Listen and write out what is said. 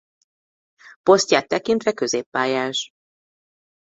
Posztját tekintve középpályás.